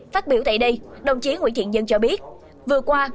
phát biểu tại đây đồng chí nguyễn thiện nhân cho biết vừa qua